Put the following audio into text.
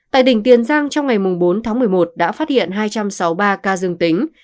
tại tỉnh tiền giang trong ngày bốn tháng một mươi một đã phát hiện hai trăm sáu mươi ba ca dương tính